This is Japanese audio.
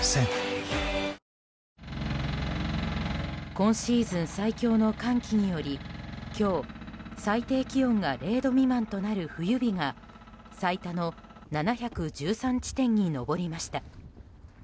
今シーズン最強の寒気により今日、最低気温が０度未満となる冬日が最多の７１３地点に上りました。